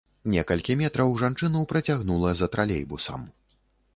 Некалькі метраў жанчыну працягнула за тралейбусам.